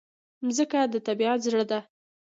مځکه د طبیعت زړه ده.